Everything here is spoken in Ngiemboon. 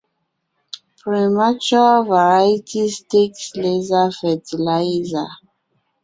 Premature varieties take lesser fertilizer.